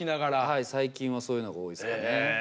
はい最近はそういうのが多いですかね。